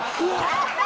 やった！